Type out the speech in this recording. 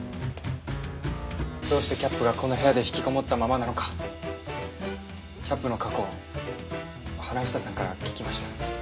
どうしてキャップがこの部屋でひきこもったままなのかキャップの過去を花房さんから聞きました。